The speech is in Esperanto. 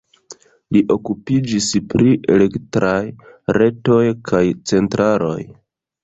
Li okupiĝis pri elektraj retoj kaj centraloj.